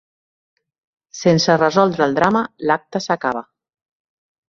Sense resoldre el drama, l'acte s'acaba.